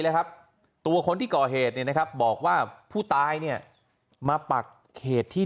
เลยครับตัวคนที่ก่อเหตุเนี่ยนะครับบอกว่าผู้ตายเนี่ยมาปักเขตที่